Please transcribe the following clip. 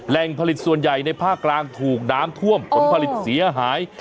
ผลิตส่วนใหญ่ในภาคกลางถูกน้ำท่วมผลผลิตเสียหาย